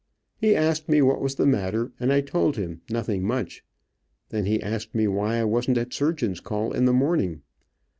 He asked me what was the matter, and I told him nothing much. Then he asked me why I wasn't at surgeon's call in the morning.